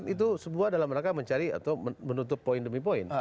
itu sebuah dalam rangka mencari atau menutup poin demi poin